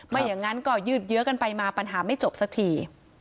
ไม่อย่างนั้นก็ยืดเยอะกันไปมาปัญหาไม่จบสักที